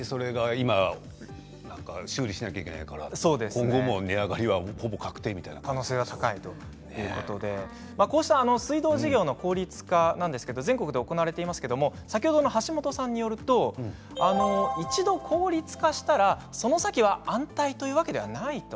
それを今修理しなければいけないから可能性は高いということでこうした水道事業の効率化は全国で行われていますけれども先ほどの橋本さんによると一度、効率化したら、その先は安泰というわけではない。